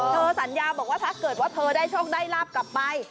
เธอสัญญาบอกว่าถ้าเกิดว่าเธอได้ช่องได้ราบกลับกลับไป